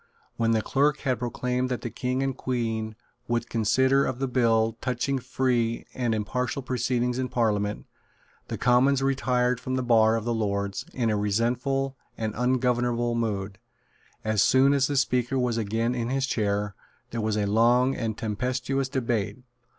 When the Clerk had proclaimed that the King and Queen would consider of the bill touching free and impartial proceedings in Parliament, the Commons retired from the bar of the Lords in a resentful and ungovernable mood. As soon as the Speaker was again in his chair there was a long and tempestuous debate.